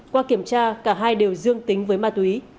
qua kiểm tra cả hai đều dương tính với ma túy